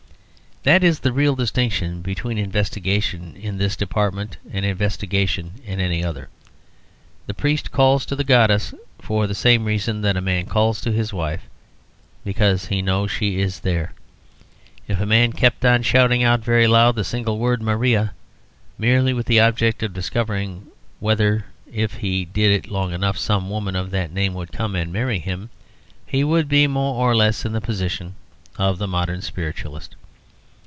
That is the real distinction between investigation in this department and investigation in any other. The priest calls to the goddess, for the same reason that a man calls to his wife, because he knows she is there. If a man kept on shouting out very loud the single word "Maria," merely with the object of discovering whether if he did it long enough some woman of that name would come and marry him, he would be more or less in the position of the modern spiritualist.